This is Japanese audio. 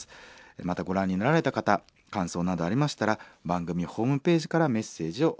またご覧になられた方感想などありましたら番組ホームページからメッセージを送って下さい。